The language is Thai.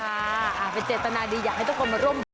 อ่าเป็นเจตนาดีอยากให้ทุกคนมาร่วมบุญ